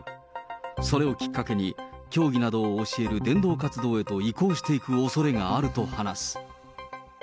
それをきっかけに、教義などを教える伝道活動へと移行していくおそれがあると話す。